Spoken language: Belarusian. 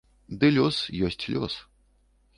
Ды лёс ёсць лёс.